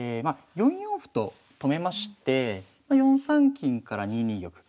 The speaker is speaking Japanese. ４四歩と止めまして４三金から２二玉。